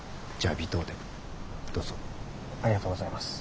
ありがとうございます。